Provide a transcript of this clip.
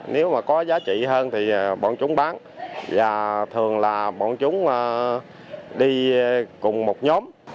nếu mà có giá trị hơn thì bọn chúng bán và thường là bọn chúng đi cùng một nhóm